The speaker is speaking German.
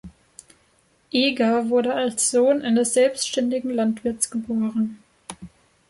Eger wurde als Sohn eines selbständigen Landwirtes geboren.